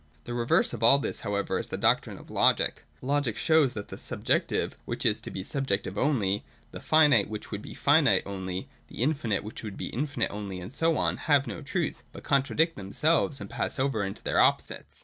The reverse of all this however is the doctrine of Logic. Logic shows that the subjec tive which is to be subjective only, the finite which would be finite only, the infinite which would be infinite only, and so on, have no truth, but contradict them selves, and pass over into their opposites.